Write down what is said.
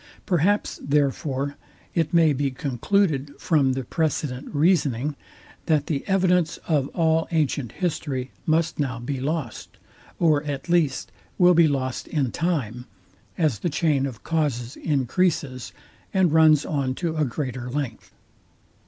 Perhaps, therefore, it may be concluded from the precedent reasoning, that the evidence of all ancient history must now be lost; or at least, will be lost in time, as the chain of causes encreases, and runs on to a greater length.